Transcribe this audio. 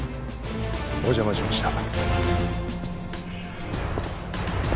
お邪魔しました。